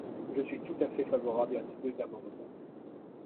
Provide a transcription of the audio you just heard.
Je suis tout à fait favorable à ces deux amendements.